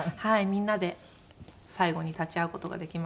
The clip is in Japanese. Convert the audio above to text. みんなで最期に立ち会う事ができました。